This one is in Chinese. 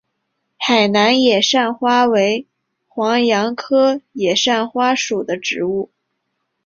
海南野扇花为黄杨科野扇花属的植物。